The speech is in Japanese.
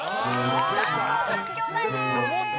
『だんご３兄弟』です。